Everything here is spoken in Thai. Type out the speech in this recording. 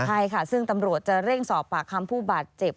ใช่ค่ะซึ่งตำรวจจะเร่งสอบปากคำผู้บาดเจ็บ